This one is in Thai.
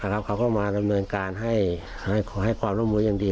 เขาก็มาดำเนินการให้ความร่วมมืออย่างดี